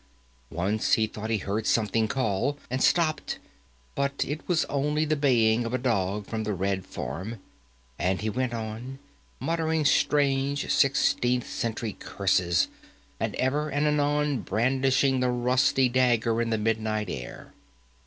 Once he thought he heard something call, and stopped; but it was only the baying of a dog from the Red Farm, and he went on, muttering strange sixteenth century curses, and ever and anon brandishing the rusty dagger in the midnight air.